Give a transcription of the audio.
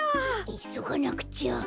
いそがなくちゃ。